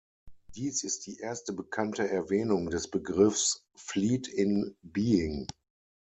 Dies ist die erste bekannte Erwähnung des Begriffs "fleet in being".